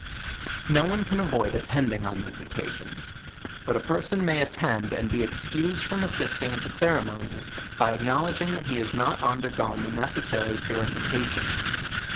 No one can avoid attending on these occasions; but a per son may attend and be excused from .assisting at the ceremo nies, by acknowledging that he has not undergone the neces sary purification.